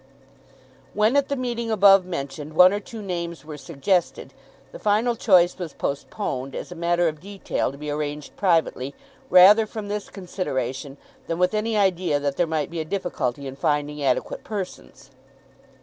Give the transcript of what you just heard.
When at the meeting above mentioned one or two names were suggested, the final choice was postponed, as a matter of detail to be arranged privately, rather from this consideration than with any idea that there might be a difficulty in finding adequate persons.